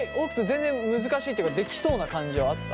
全然難しいっていうかできそうな感じはあった？